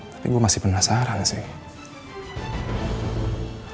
tapi gue masih penasaran sih